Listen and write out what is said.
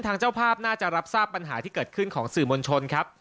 เจ้าภาพน่าจะรับทราบปัญหาที่เกิดขึ้นของสื่อมวลชนครับ